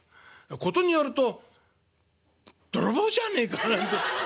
事によると泥棒じゃねえかなんて」。